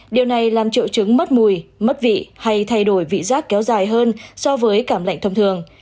điều này làm triệu chứng mất mùi mất vị hay thay đổi vị giác kéo dài hơn so với cảm lạnh thông thường